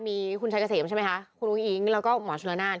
มีคุณชายเกษมใช่ไหมคะคุณอุ้งอิ๊งแล้วก็หมอชุลนาน